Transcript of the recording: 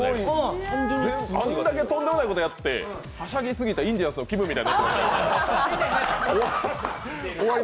あんだけとんでもないことやってはしゃぎすぎたインディアンスのきむみたい。